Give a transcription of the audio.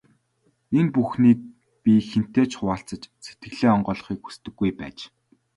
Энэ бүхнийг би хэнтэй ч хуваалцаж, сэтгэлээ онгойлгохыг хүсдэггүй байж.